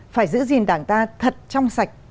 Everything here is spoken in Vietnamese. phải giữ gìn đảng ta thật trong sạch